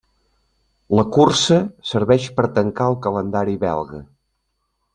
La cursa serveix per tancar el calendari belga.